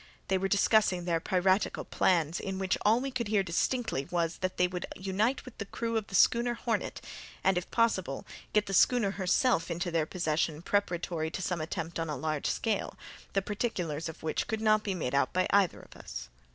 They were discussing their piratical plans, in which all we could hear distinctly was, that they would unite with the crew of a schooner Hornet, and, if possible, get the schooner herself into their possession preparatory to some attempt on a large scale, the particulars of which could not be made out by either of us.